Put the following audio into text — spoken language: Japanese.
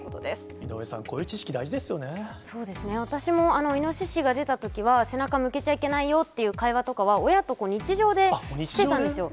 井上さん、こういう知識、そうですね、私もイノシシが出たときは、背中向けちゃいけないよっていう会話とかは、親と日常でしてたんですよ。